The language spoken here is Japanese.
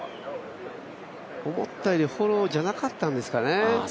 思ったよりフォローじゃなかったんですかね。